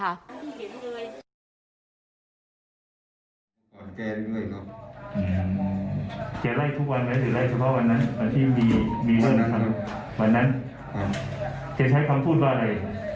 เค้าไล่ทุกวันเนี่ยถือไล่เฉพาะวันนั้นวันนั้นเค้าใช้คำพูดว่าอะไร